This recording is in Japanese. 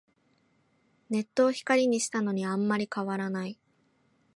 ネットを光にしたのにあんまり変わらない